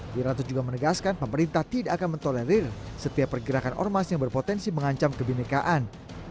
wiranto juga menegaskan pemerintah tidak akan mentolerir setiap pergerakan ormas yang berpotensi mengancam kebinekaan